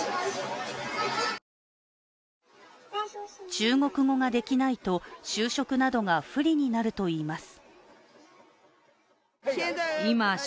中国語ができないと就職などが不利になるといいます。